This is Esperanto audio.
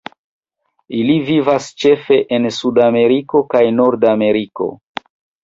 Ili vivas ĉefe en Sudameriko kaj Nordameriko.